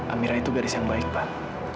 amira itu gadis yang baik pak